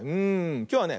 きょうはね